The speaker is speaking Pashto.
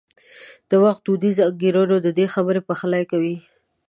د وخت دودیزو انګېرنو د دې خبرو پخلی کاوه.